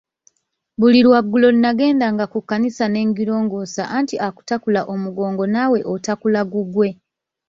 Buli lwaggulo nagendanga ku kkanisa ne ngirongoosa anti akutakula omugongo naawe otakula gugwe.